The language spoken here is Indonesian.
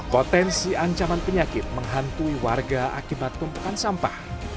potensi ancaman penyakit menghantui warga akibat tumpukan sampah